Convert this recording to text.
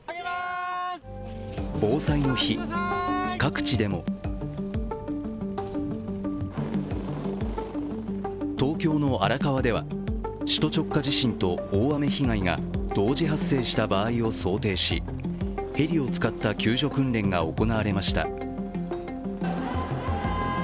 防災の日、各地でも東京の荒川では首都直下型地震と大雨被害が同時発生した場合を想定し、ヘリを使った救助訓練が行われました。